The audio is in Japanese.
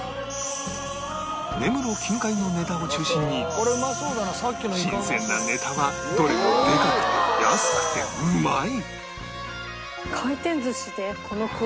根室近海のネタを中心に新鮮なネタはどれもでかくて安くてうまい！